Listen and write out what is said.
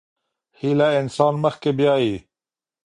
هيله انسان مخکې بيايي.